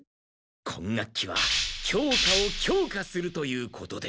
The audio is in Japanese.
今学期は教科を強化するということで。